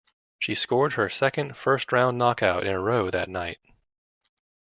She scored her second first round knockout in a row that night.